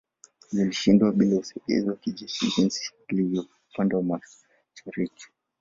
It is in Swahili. Zilishindwa bila usaidizi wa kijeshi jinsi ilivyokuwa upande wa mashariki